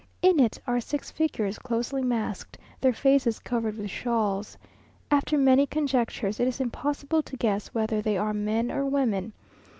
In it are six figures, closely masked, their faces covered with shawls. After many conjectures, it is impossible to guess whether they are men or women.